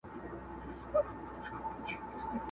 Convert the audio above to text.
ما دي د میني سوداګر له کوڅې وشړله!!